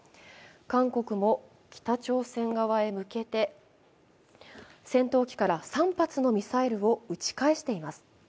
韓国も北朝鮮側へ向けて戦闘機から３発のミサイルを撃ち返しています。